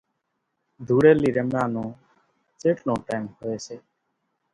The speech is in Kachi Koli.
ڌوڙيلي رميا نون چيٽلون ٽيم ھوئي سي